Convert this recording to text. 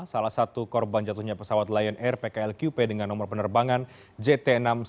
salah satu korban jatuhnya pesawat lion air pkl qp dengan nomor penerbangan jt enam ratus sepuluh